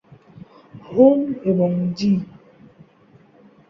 Home এবং জি।